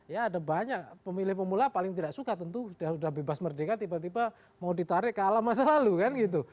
ya ada banyak pemilih pemula paling tidak suka tentu sudah bebas merdeka tiba tiba mau ditarik ke alam masa lalu kan gitu